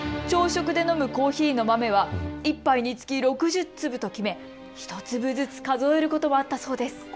朝食で飲むコーヒーの豆は１杯につき６０粒と決め１粒ずつ数えることもあったそうです。